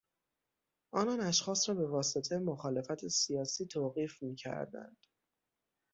آنان اشخاص را به واسطه مخالفت سیاسی توقیف میکردند.